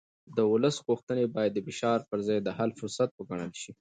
د ولس غوښتنې باید د فشار پر ځای د حل فرصت وګڼل شي